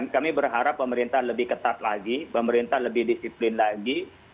kami berharap pemerintah lebih ketat lagi pemerintah lebih disiplin lagi